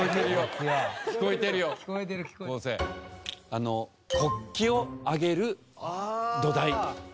あの国旗を揚げる土台。